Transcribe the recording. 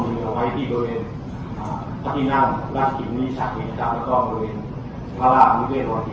จากการสุภาพมาทำความไหวในสถานการณ์ชม